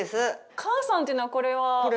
母さんっていうのはこれは。これ。